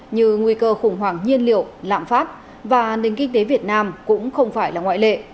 như nguy cơ khủng hoảng nhiên liệu lạm phát và nền kinh tế việt nam cũng không phải là ngoại lệ